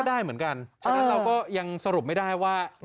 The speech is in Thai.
ได้เหมือนกันฉะนั้นเราก็ยังสรุปไม่ได้ว่า